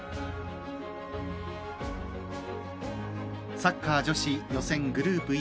サッカー女子予選グループＥ